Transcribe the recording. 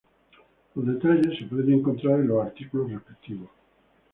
Los detalles se pueden encontrar en los artículos respectivos.